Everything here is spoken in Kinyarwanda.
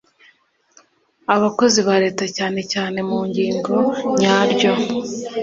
Abakozi ba Leta cyane cyane mu ngingo yaryo